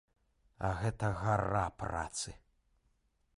А гэта гара працы.